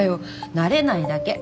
慣れないだけ。